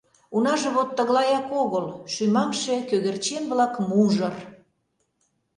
Унаже вот тыглаяк огыл — Шӱмаҥше кӧгӧрчен-влак мужыр!